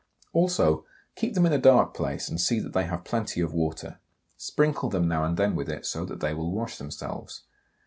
Also keep them in a dark place and see that they have plenty of water; sprinkle them now and then with it so that they will wash themselves.